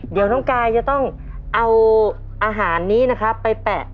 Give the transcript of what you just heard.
เดี๋ยวน้องกายจะต้องเอาอาหารนี้นะครับไปแปะ